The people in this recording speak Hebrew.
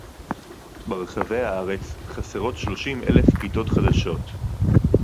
ברחבי הארץ חסרות שלושים אלף כיתות חדשות